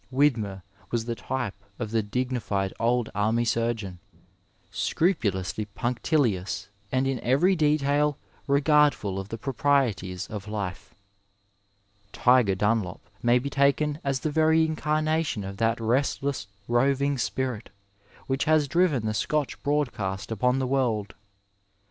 Widmer was the type of the dignified old army surgeon, scrupulously punctilious and in every detail regardful of the proprieties of life. ^^ Tiger " Dunlop may be taken as the very incarnation of that restless roving spirit which has driven the Scotch broadcast upon the world.